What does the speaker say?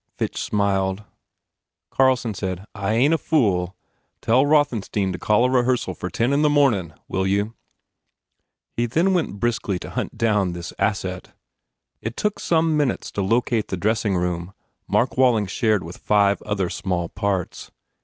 Fitch smiled. Carlson said, "I ain t a fool. Tell Rothen stein to call a rehearsal for ten in the mornin , will you." He then went briskly to hunt down this asset. It took some minutes to locate the dressing room Mark Walling shared with five other small parts.